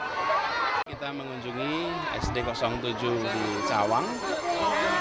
anies baswedan anies bandung dan anies baswedan yang berpengalaman di dalam kondisi pendidikan